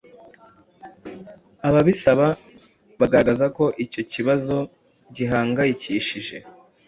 Ababisaba bagaragaza ko icyo kibazo gihangayikishije